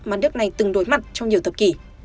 mà nước này từng đối mặt trong nhiều thập kỷ